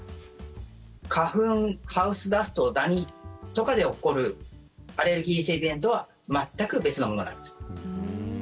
花粉、ハウスダストダニとかで起こるアレルギー性鼻炎とは全く別のものなんです。